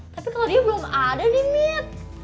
tapi kalo dia belum ada nih mit